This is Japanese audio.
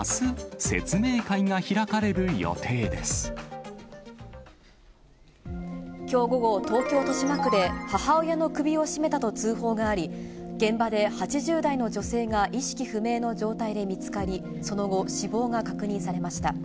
あす、きょう午後、東京・豊島区で、母親の首を絞めたと通報があり、現場で８０代の女性が意識不明の状態で見つかり、その後、死亡が確認されました。